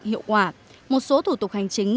hiệu quả một số thủ tục hành chính